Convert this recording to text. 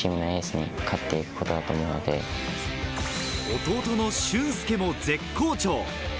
弟の駿恭も絶好調。